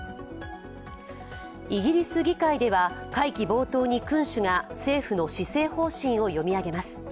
イギリス議会では会期冒頭に君主がが政府の施政方針を読み上げます。